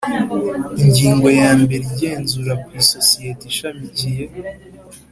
Ingingo ya mbere Igenzura ku isosiyete ishamikiye